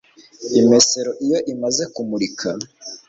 Imesero iyo imaze kumurika